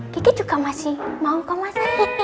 kiki juga masih mau kok mas